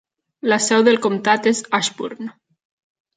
La seu del comtat és Ashburn.